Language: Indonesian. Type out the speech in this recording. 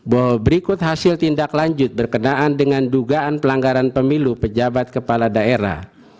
bahwa berikut hasil tindak lanjut berkenaan dengan dugaan pelanggaran pemilu pejabat kepala daerah